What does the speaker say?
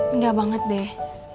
enggak banget deh